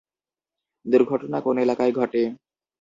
দুর্ঘটনা কোন এলাকায় ঘটে?